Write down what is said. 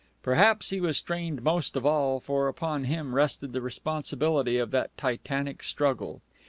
Perhaps he was strained most of all, for upon him rested the responsibility of that titanic struggle.